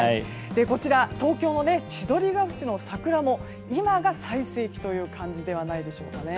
こちら、東京の千鳥ケ淵の桜も今が最盛期という感じではないでしょうか。